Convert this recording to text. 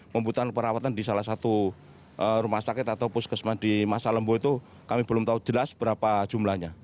membutuhkan perawatan di salah satu rumah sakit atau puskesman di masa lembu itu kami belum tahu jelas berapa jumlahnya